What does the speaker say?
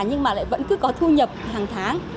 nhưng mà lại vẫn cứ có thu nhập hàng tháng